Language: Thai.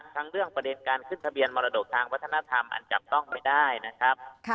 ทั้งเรื่องประเด็นการขึ้นทะเบียนมรดกทางวัฒนธรรมอันจับต้องไม่ได้นะครับ